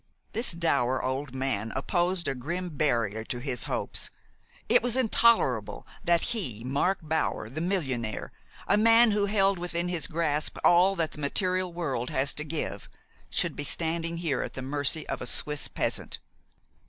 This dour old man opposed a grim barrier to his hopes. It was intolerable that he, Mark Bower the millionaire, a man who held within his grasp all that the material world has to give, should be standing there at the mercy of a Swiss peasant.